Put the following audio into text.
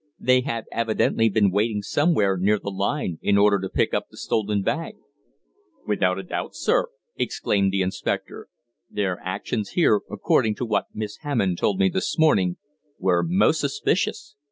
"They had evidently been waiting somewhere near the line, in order to pick up the stolen bag." "Without a doubt, sir," exclaimed the inspector. "Their actions here, according to what Miss Hammond told me this morning, were most suspicious.